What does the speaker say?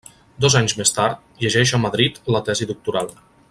Dos anys més tard, llegeix a Madrid la tesi doctoral.